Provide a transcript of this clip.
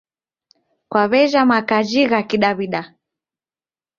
Kwaw'eja makaji gha Kidaw'ida?